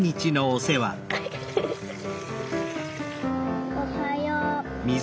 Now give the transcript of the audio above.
おはよう。